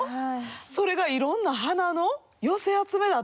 それが「いろんな花の寄せ集めだった」？